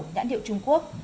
nhãn hiệu trung quốc